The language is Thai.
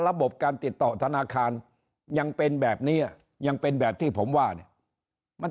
ระบบการติดต่อธนาคารยังเป็นแบบนี้ยังเป็นแบบที่ผมว่าเนี่ยมัน